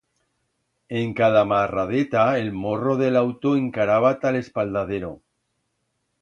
En cada marradeta, el morro de l'auto encaraba ta'l espaldadero.